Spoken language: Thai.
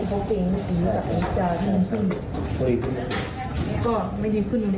เขาบอกว่าเหมือนว่ามีค่ะ